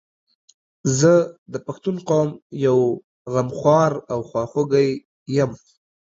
زه د پښتون قوم یو غمخوار او خواخوږی یم